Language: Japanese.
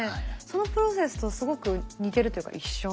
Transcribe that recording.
そのプロセスとすごく似てるというか一緒。